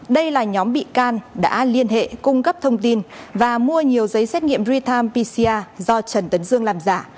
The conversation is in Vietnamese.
đây là nhóm bị can đã liên hệ cung cấp thông tin và mua nhiều giấy xét nghiệm real time pcr do trần tấn dương làm giả